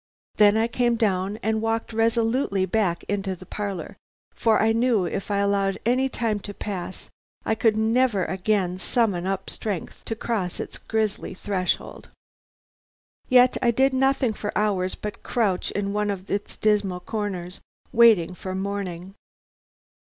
Then I came down and walked resolutely back into the parlor, for I knew if I allowed any time to pass I could never again summon up strength to cross its grisly threshold. Yet I did nothing for hours but crouch in one of its dismal corners, waiting for morning.